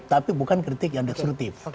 tapi bukan kritik yang destruktif